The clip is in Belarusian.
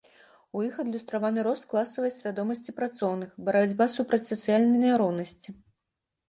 У іх адлюстраваны рост класавай свядомасці працоўных, барацьба супраць сацыяльнай няроўнасці.